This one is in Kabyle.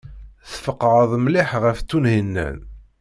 Tfeqɛeḍ mliḥ ɣef Tunhinan.